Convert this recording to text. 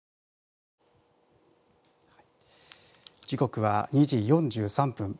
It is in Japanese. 時刻は午後２時４３分。